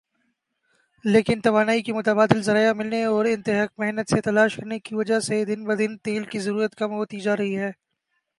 لیکن توانائی کے متبادل ذرائع ملنے اور انتھک محنت سے تلاش کرنے کی وجہ سے دن بدن تیل کی ضرورت کم ہوتی جارہی ھے